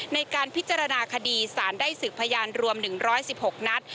ในการพิจารณาคดีสารได้สืบพยานรวม๑๑๖นัด